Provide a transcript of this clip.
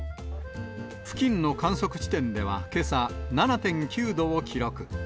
付近の観測地点ではけさ、７．９度を記録。